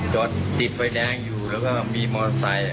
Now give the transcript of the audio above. จอดติดไฟแดงอยู่แล้วก็มีมอเตอร์ไซค์